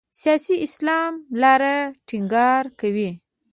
سیاسي اسلام لا ټینګار کوي.